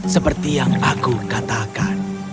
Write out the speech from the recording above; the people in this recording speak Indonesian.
seperti yang aku katakan